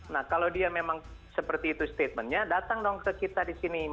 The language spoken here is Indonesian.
nah kalau dia memang seperti itu statementnya datang dong ke kita di sini